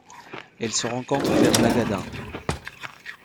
Elle se rencontre vers Lagadin.